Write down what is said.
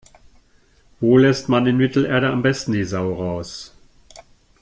Wo lässt man in Mittelerde am besten die Sau raus?